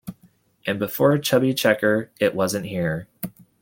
And before Chubby Checker, it wasn't here.